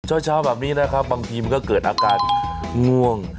เช้าแบบนี้นะครับบางทีมันก็เกิดอาการง่วง